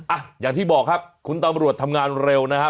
อ่ะอย่างที่บอกครับคุณตำรวจทำงานเร็วนะครับ